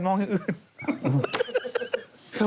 องอย่างอื่น